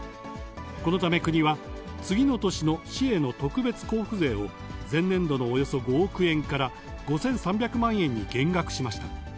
このため、国は次の年の市への特別交付税を、前年度のおよそ５億円から５３００万円に減額しました。